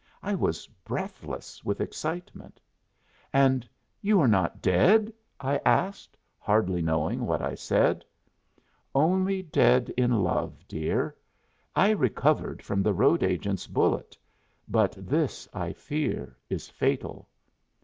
I was breathless with excitement. "And you are not dead?" I asked, hardly knowing what I said. "Only dead in love, dear. I recovered from the road agent's bullet, but this, I fear, is fatal."